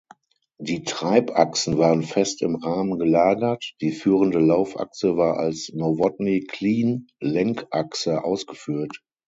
Die Treibachsen waren fest im Rahmen gelagert, die führende Laufachse war als Novotny-Klien-Lenkachse ausgeführt.